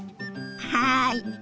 はい！